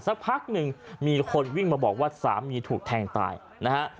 สักพักหนึ่งมีคนวิ่งมาบอกว่าสามีถูกแทงตายนะฮะ